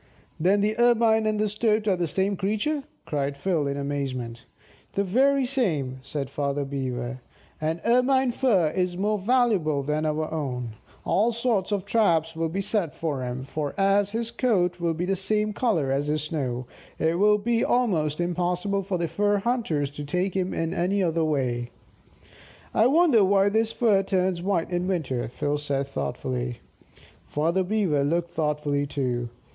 "Then the Ermine and the Stoat are the same creature?" cried Phil in amazement. "The very same," said Father Beaver, "and Ermine fur is more valuable than our own. All sorts of traps will be set for him, for as his coat will be the same colour as the snow, it will be almost impossible for the fur hunters to take him in any other way." "I wonder why his fur turns white in winter?" Phil said, thoughtfully. Father Beaver looked thoughtful too.